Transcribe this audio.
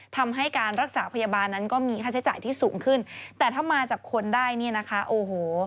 ทำให้การรักษาพยาบาลนั้นก็มีค่าใช้จ่ายที่สูงขึ้นแต่ถ้ามาจากคนได้เนี่ยนะคะโอ้โห